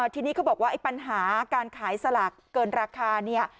ทีนี้เขาบอกว่าไอ้ปัญหาการขายสลากเกินราคาเนี่ย